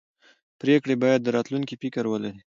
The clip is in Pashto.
پرېکړې باید د راتلونکي فکر ولري